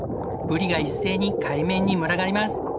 ブリが一斉に海面に群がります。